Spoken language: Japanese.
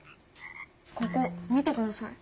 ここ見てください。